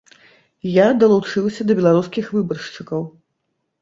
Я далучыўся да беларускіх выбаршчыкаў.